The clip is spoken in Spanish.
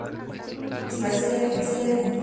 Se encuentra en Brasil y Argentina.